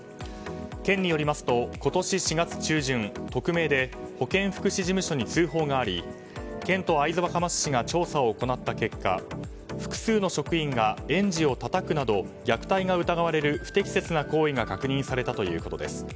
県によりますと今年４月中旬、匿名で保健福祉事務所に通報があり県と会津若松市が調査を行った結果複数の職員が園児をたたくなど虐待が疑われる不適切な行為が確認されたということです。